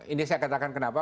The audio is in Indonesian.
ini saya katakan kenapa